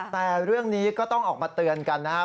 แต่เรื่องนี้ก็ต้องออกมาเตือนกันนะครับ